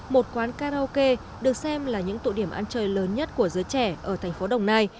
một quán karaoke được xem là những tụ điểm ăn chơi lớn nhất của giới trẻ ở thành phố đồng nai